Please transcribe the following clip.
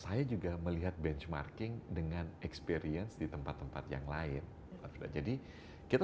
saya juga melihat benchmarking dengan experience di tempat tempat yang lain jadi kita